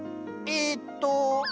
えっと。